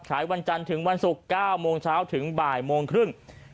วันจันทร์ถึงวันศุกร์๙โมงเช้าถึงบ่ายโมงครึ่ง